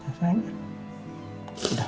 gak usah mikir kemana mana